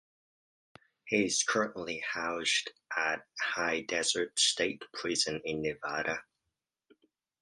He is currently housed at High Desert State Prison in Nevada.